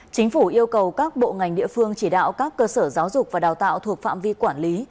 chính phủ yêu cầu các bộ ngành địa phương chỉ đạo các cơ sở giáo dục và đào tạo thuộc phạm vi quản lý